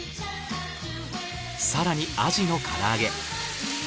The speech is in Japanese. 更にアジの唐揚げ。